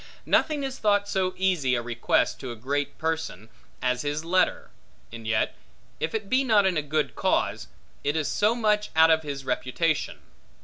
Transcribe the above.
Nothing is thought so easy a request to a great person, as his letter; and yet, if it be not in a good cause, it is so much out of his reputation.